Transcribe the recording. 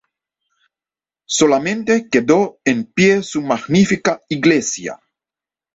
Solamente quedó en pie su magnífica iglesia.